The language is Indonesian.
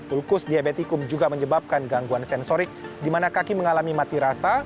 ulkus diabetikum juga menyebabkan gangguan sensorik di mana kaki mengalami mati rasa